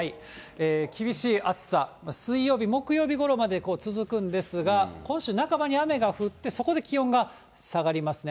厳しい暑さ、水曜日、木曜日ころまで続くんですが、今週半ばに雨が降って、そこで気温が下がりますね。